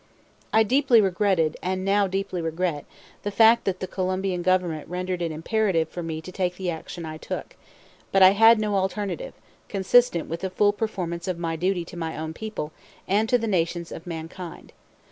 I deeply regretted, and now deeply regret, the fact that the Colombian Government rendered it imperative for me to take the action I took; but I had no alternative, consistent with the full performance of my duty to my own people, and to the nations of mankind.